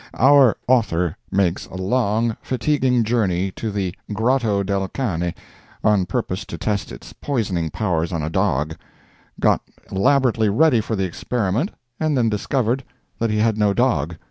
Our author makes a long, fatiguing journey to the Grotto del Cane on purpose to test its poisoning powers on a dog—got elaborately ready for the experiment, and then discovered that he had no dog.